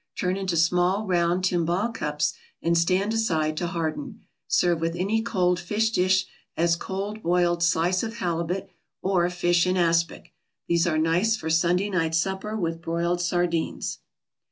Turn into small round timbale cups and stand aside to harden. Serve with any cold fish dish, as cold boiled slice of halibut, or fish in aspic. These are nice for Sunday night supper with broiled sardines.